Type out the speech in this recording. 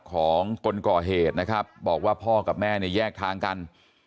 ของคนก่อเหตุนะครับบอกว่าพ่อกับแม่เนี่ยแยกทางกัน